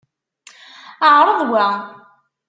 Ԑreḍ wa.